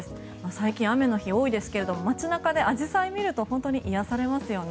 最近、雨の日多いですが街中でアジサイを見ると本当に癒やされますよね。